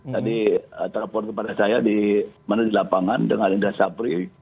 tadi telepon kepada saya di mana di lapangan dengan indra sapri